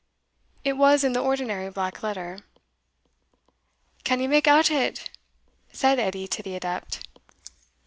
It was in the ordinary black letter. "Can ye mak ought o't?" said Edie to the adept.